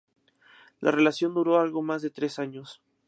La relación duró algo más de tres años.